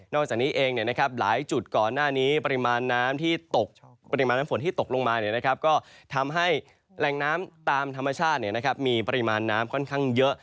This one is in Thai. จากนี้เองหลายจุดก่อนหน้านี้ปริมาณน้ำที่ตกปริมาณน้ำฝนที่ตกลงมาก็ทำให้แหล่งน้ำตามธรรมชาติมีปริมาณน้ำค่อนข้างเยอะ